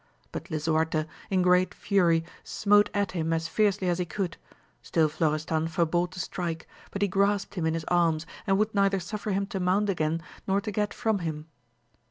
But Lisuarte, in great fury, smote at him ae fiercely as he could ; still Florestan forbore to strike, but he grasped him in his arms, and would neither suffer him to mount again, nor to get from him.